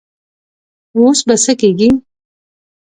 اوس به څه کيږي؟